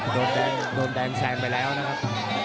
โดนแดงแซงไปแล้วนะครับ